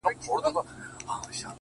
یو ډارونکی؛ ورانونکی شی خو هم نه دی؛